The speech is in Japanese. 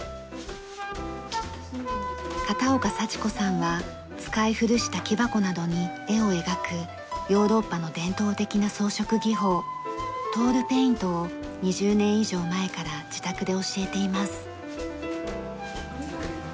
片岡佐知子さんは使い古した木箱などに絵を描くヨーロッパの伝統的な装飾技法トールペイントを２０年以上前から自宅で教えています。